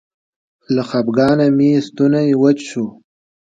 له خپګانه مې ستونی وچ شو.